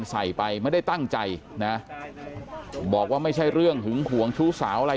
ใส่ไปไม่ได้ตั้งใจนะบอกว่าไม่ใช่เรื่องหึงหวงชู้สาวอะไร